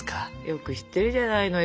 よく知ってるじゃないのよ。